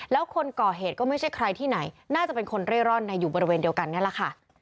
แล้วคนก่อเหตุก็ไม่ใช่ใครที่ไหนน่าจะเป็นคนเร่ร่อนในอยู่บริเวณเดียวกันนี่แหละค่ะ